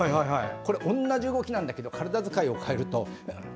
これ同じ動きなんだけど体づかいを変えると。